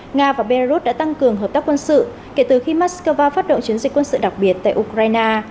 nga và belarus đã tăng cường hợp tác quân sự kể từ khi moscow phát động chiến dịch quân sự đặc biệt tại ukraine